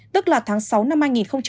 tức là tháng sáu năm hai nghìn hai mươi